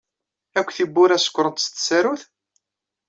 Akk tiwwura sekṛent s tsarut?